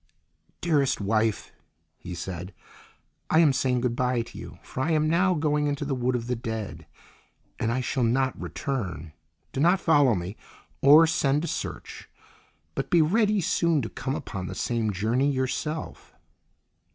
"Dearest wife," he said, "I am saying good bye to you, for I am now going into the Wood of the Dead, and I shall not return. Do not follow me, or send to search, but be ready soon to come upon the same journey yourself."